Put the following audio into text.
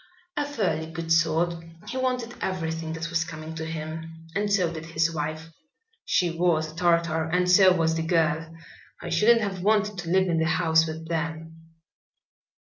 "A fairly good sort. He wanted everything that was coming to him, and so did his wife. She was a tartar and so was the girl. I shouldn't have wanted to live in the house with them."